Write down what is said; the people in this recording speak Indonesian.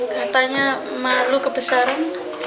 katanya malu kebesaran